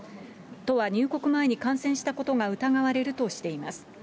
都は入国前に感染したことが疑われるとしています。